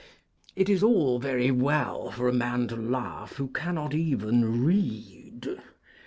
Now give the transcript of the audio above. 'It is all very well for a man to laugh who cannot even read.'